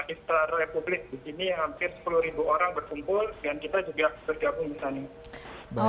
islam republik di sini hampir sepuluh orang berkumpul dan kita juga bergabung di sana